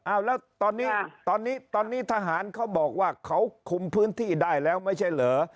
อ้าวแล้วตอนนี้ตอนนี้ทหารเขาบอกว่าเขาคุมพื้นที่ได้แล้วไม่ใช่เหรอ